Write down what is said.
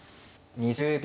２０秒。